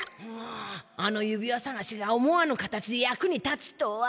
うむあの指輪さがしが思わぬ形で役に立つとは。